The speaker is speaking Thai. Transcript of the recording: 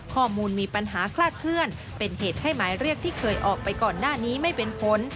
ข้อมูลมีปัญหาคลาดเคลื่อนเป็นเหตุให้หมายเรียกที่เคยออกไปก่อนหน้านี้ไม่เป็นผล